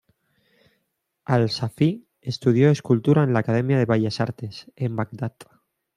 Al Safi, estudió escultura en la "Academia de Bellas Artes" en Bagdad.